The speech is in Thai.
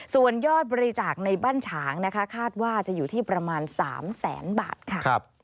ส่วนยอดบริจาคในบ้านฉางนะคะคาดว่าจะอยู่ที่ประมาณ๓แสนบาทค่ะ